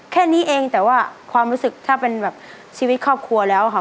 แค่นี้เองแต่ว่าความรู้สึกถ้าเป็นแบบชีวิตครอบครัวแล้วค่ะ